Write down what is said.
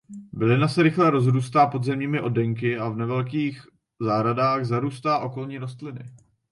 Bylina se rychle rozrůstá podzemními oddenky a v nevelkých zahradách zarůstá okolní rostliny.